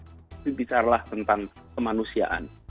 saya ingin menjelaskan tentang kemanusiaan